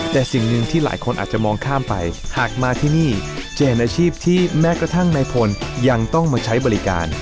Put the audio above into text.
แต่สิ่งหนึ่งที่หลายคนอาจจะมองข้ามไปหากมาที่นี่จะเห็นอาชีพที่แม้กระทั่งนายพลยังต้องมาใช้บริการ